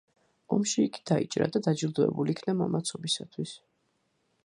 ომში იგი დაიჭრა და დაჯილდოებულ იქნა მამაცობისთვის.